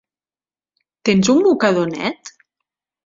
Tens un mocador net?